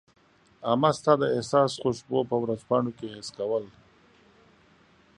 امه ستا د احساس خوشبو په ورځپاڼو کي حس کول